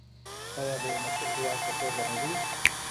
آیا د یو مسوول هیواد په توګه نه دی؟